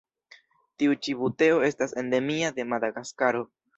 Tiu ĉi buteo estas endemia de Madagaskaro.